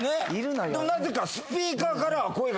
なぜかスピーカーからは声が。